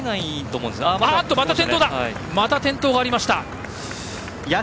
また転倒がありました！